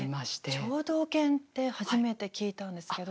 聴導犬って初めて聞いたんですけど。